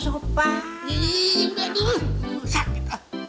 ih yuk deh tuh sakit